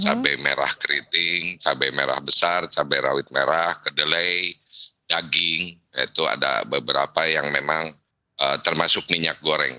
cabai merah keriting cabai merah besar cabai rawit merah kedelai daging itu ada beberapa yang memang termasuk minyak goreng